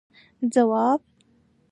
ځواب: